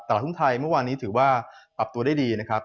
ตลาดหุ้นไทยเมื่อวานนี้ถือว่าปรับตัวได้ดีนะครับ